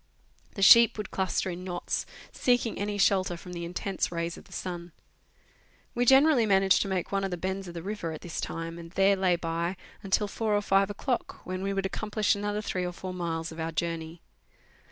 The sheep would cluster in knots, seeking any shelter from the intense rays of the sun. We gene rally managed to make one of the bends of the river at this time, and there lay by until four or five o'clock, when we would accom plish another three or four miles of our journey.